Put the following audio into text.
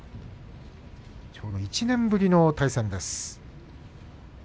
ちょうど１年ぶりの対戦です。